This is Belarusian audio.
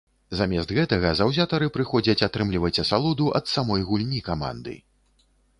Замест гэтага заўзятары прыходзяць атрымліваць асалоду ад самой гульні каманды.